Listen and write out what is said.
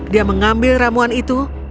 dia mengambil ramuan itu